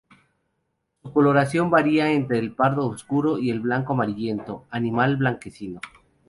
Su coloración varía entre el pardo oscuro y el blanco amarillento, animal blanquecino.